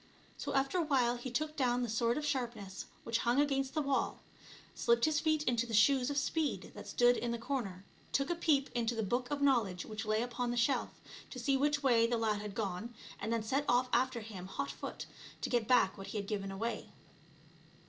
So after a while he took down the Sword of Sharpness which hung against the wall, slipped his feet into the Shoes of Speed that stood in the comer, took a peep into the Book of Knowledge which lay upon the shelf, to see which way the lad had gone, and then set off after him hot foot, to get back what he had given away.